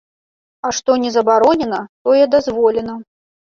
А што не забаронена, тое дазволена.